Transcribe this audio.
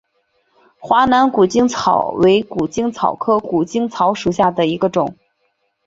华南谷精草为谷精草科谷精草属下的一个种。